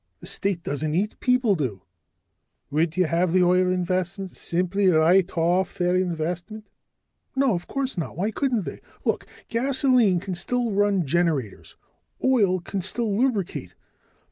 The state doesn't eat people do." "Would you have the oil interests simply write off their investment?" "No, of course not. Why couldn't they Look. Gasoline can still run generators. Oil can still lubricate.